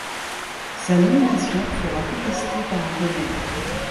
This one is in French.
Sa nomination sera contestée par un collègue.